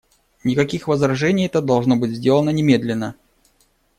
Никаких возражений, это должно быть сделано немедленно.